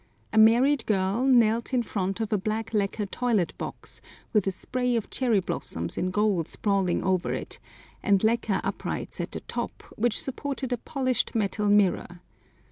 A married girl knelt in front of a black lacquer toilet box with a spray of cherry blossoms in gold sprawling over it, and lacquer uprights at the top, which supported a polished metal mirror.